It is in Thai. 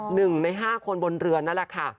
หนึ่งในห้าคนบนเรือนั่นแหละค่ะ